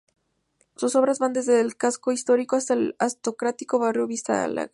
Sus obras van desde el casco histórico hasta el aristocrático barrio Vista Alegre.